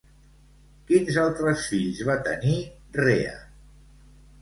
Quins altres fills va tenir Rea?